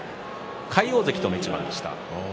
魁皇関との一番でした。